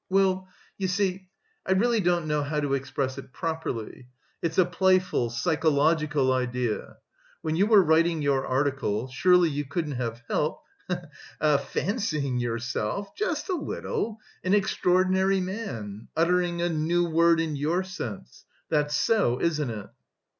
"Well, you see... I really don't know how to express it properly.... It's a playful, psychological idea.... When you were writing your article, surely you couldn't have helped, he he! fancying yourself... just a little, an 'extraordinary' man, uttering a new word in your sense.... That's so, isn't it?"